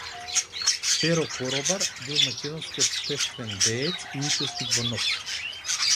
Перо Коробар бил македонски општествен деец и учесник во НОБ.